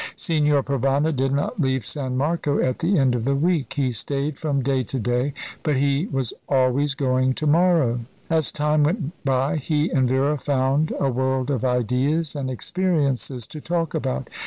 Signor Provana did not leave San Marco at the end of the week. He stayed from day to day; but he was always going to morrow. As time went by he and Vera found a world of ideas and experiences to talk about.